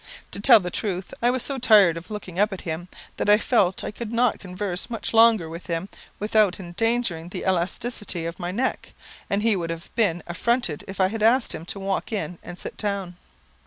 To tell the truth, I was so tired of looking up at him, that I felt that I could not converse much longer with him without endangering the elasticity of my neck, and he would have been affronted if I had asked him to walk in and sit down.